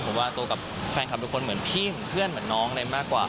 ผมว่าโตกับแฟนคลับทุกคนเหมือนพี่เหมือนเพื่อนเหมือนน้องอะไรมากกว่า